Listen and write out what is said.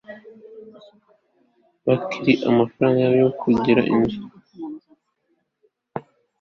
babika amafaranga yabo yo kugura inzu